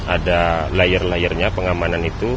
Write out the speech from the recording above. ada layar layernya pengamanan itu